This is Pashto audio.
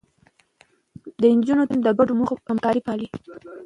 د نجونو تعليم د ګډو موخو همکاري پالي.